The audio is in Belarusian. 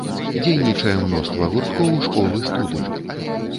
Дзейнічае мноства гурткоў, школ і студый.